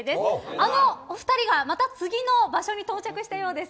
あの２人がまた次の場所に到着したようです。